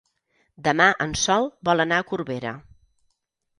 Demà en Sol vol anar a Corbera.